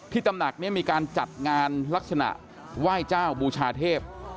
ตำหนักนี้มีการจัดงานลักษณะไหว้เจ้าบูชาเทพ